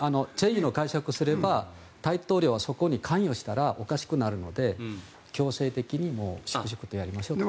善意の解釈をすれば大統領がそこに関与したらおかしくなるので強制的に粛々とやりましょうと。